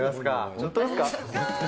本当ですか。